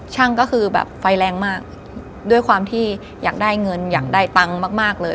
ช่างก็คือแบบไฟแรงมากด้วยความที่อยากได้เงินอยากได้ตังค์มากมากเลย